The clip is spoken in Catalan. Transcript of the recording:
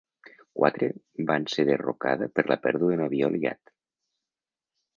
Quatre van ser derrocada per la pèrdua d'un avió aliat.